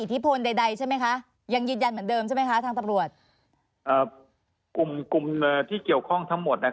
ความความความความความความความความความความความความความความความ